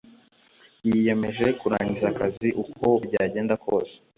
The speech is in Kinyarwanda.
yiyemeje kurangiza akazi uko byagenda kose.